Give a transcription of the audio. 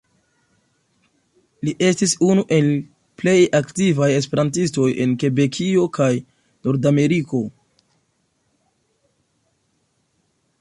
Li estis unu el plej aktivaj esperantistoj en Kebekio kaj Nordameriko.